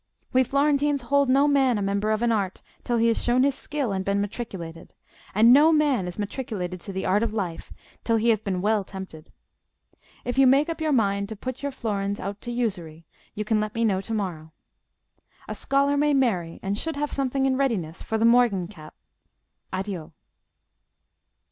We Florentines hold no man a member of an Art till he has shown his skill and been matriculated; and no man is matriculated to the art of life till he has been well tempted. If you make up your mind to put your florins out to usury, you can let me know to morrow. A scholar may marry, and should have something in readiness for the morgen cap. Addio."